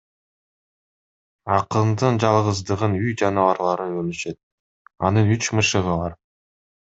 Акындын жалгыздыгын үй жаныбарлары бөлүшөт — анын үч мышыгы бар.